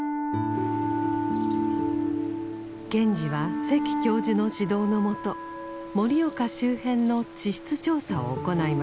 賢治は関教授の指導のもと盛岡周辺の地質調査を行いました。